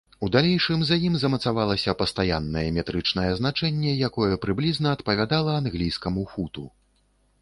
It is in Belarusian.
У далейшым за ім замацавалася пастаяннае метрычнае значэнне, якое прыблізна адпавядала англійскаму футу.